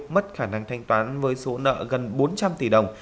mất khả năng thanh toán với số nợ gần bốn trăm linh tỷ đồng